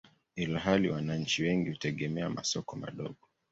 ilhali wananchi wengi hutegemea masoko madogo.